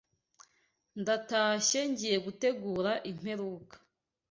Ndatashye ngiye gutegura imperuka